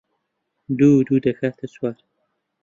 دوو و دوو دەکاتە چوار